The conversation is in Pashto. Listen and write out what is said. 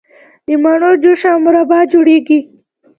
د مڼو جوس او مربا جوړیږي.